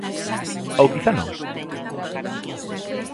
Ou quizá non?